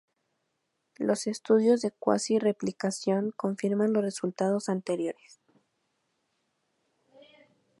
Los estudios de quasi- replicación confirman los resultados anteriores.